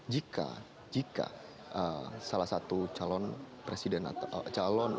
jika jika salah satu calon presiden atau calon presiden yang menangkapkan data ini